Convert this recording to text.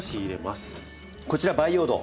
こちら培養土。